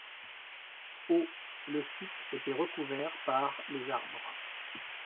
Au le site était recouvert par les arbres.